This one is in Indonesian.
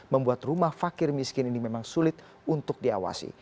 membuat rumah fakir miskin ini memang sulit untuk diawasi